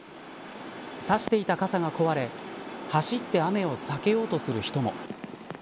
さしていた傘が壊れ走って雨を避けようとする人も。